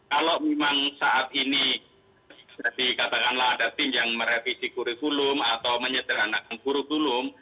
kalau memang saat ini jadi katakanlah ada tim yang merevisi kurikulum atau menyederhanakan kurikulum